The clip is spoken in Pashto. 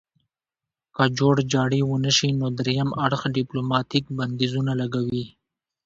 که جوړجاړی ونشي نو دریم اړخ ډیپلوماتیک بندیزونه لګوي